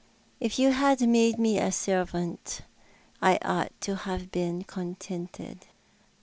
If you had made me a servant I ought to have been contented."